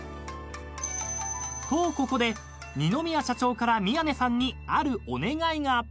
［とここで二宮社長から宮根さんにあるお願いが］